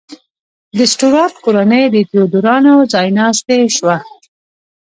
د سټورات کورنۍ د تیودوریانو ځایناستې شوه.